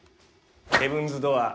ヘブンズ・ドアー。